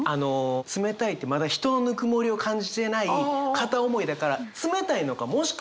「冷たい」ってまだ人のぬくもりを感じていない片思いだから冷たいのかもしくは温度がないのか。